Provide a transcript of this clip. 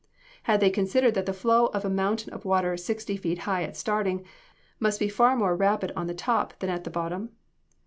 Had they considered that the flow of a mountain of water, sixty feet high at starting, must be far more rapid on the top than at the bottom?